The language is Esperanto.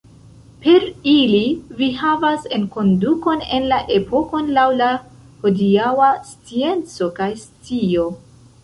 Per ili vi havas enkondukon en la epokon laŭ la hodiaŭa scienco kaj scio.